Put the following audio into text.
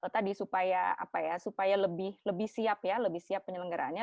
tadi supaya apa ya supaya lebih siap ya lebih siap penyelenggaraannya